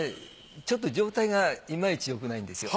ちょっと状態が今いちよくないんですよ。